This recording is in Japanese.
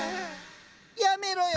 やめろよ！